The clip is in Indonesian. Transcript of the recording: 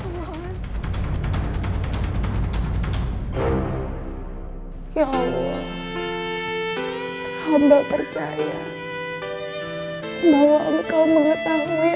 ya allah hamba percaya bahwa engkau mengetahui aku